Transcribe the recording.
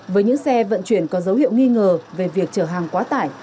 với những xe vận chuyển có dấu hiệu nghi ngờ về việc chở hàng quá tải